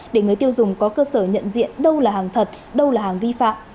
để người tiêu dùng có cơ sở nhận diện đâu là hàng thật đâu là hàng vi phạm